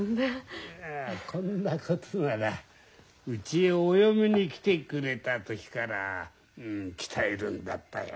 こんなことならうちへお嫁に来てくれた時から鍛えるんだったよ。